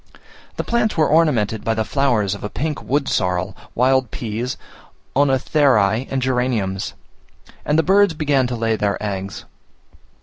The plains were ornamented by the flowers of a pink wood sorrel, wild peas, cenotherae, and geraniums; and the birds began to lay their eggs.